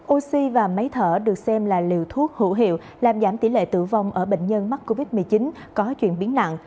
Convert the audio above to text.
oxy và máy thở được xem là liều thuốc hữu hiệu làm giảm tỷ lệ tử vong ở bệnh nhân mắc covid một mươi chín có chuyển biến nặng